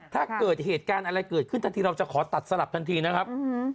ถ้าเกิดเหตุการณ์อะไรเกิดขึ้นทันทีเราจะขอตัดสลับทันทีนะครับ